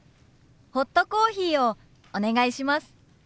ホットコーヒーをお願いします。